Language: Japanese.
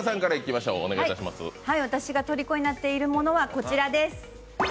私がとりこになっているものはこちらです。